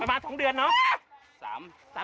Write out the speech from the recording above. ประมาณ๒เดือนเนาะ